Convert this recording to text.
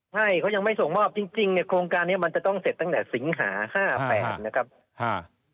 ให้เขายังไม่ส่งมอบจริงจริงเนี่ยโครงการนี้มันจะต้องเสร็จตั้งแต่สิงหาห้าแปดนะครับอ่า